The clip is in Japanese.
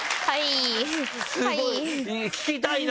聴きたいな。